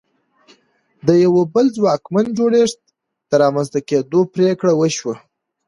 د یوه بل ځواکمن جوړښت د رامنځته کېدو پرېکړه وشوه.